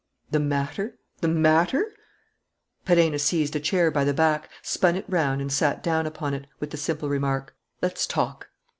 "The matter? The matter? " Perenna seized a chair by the back, spun it round and sat down upon it, with the simple remark: "Let's talk!"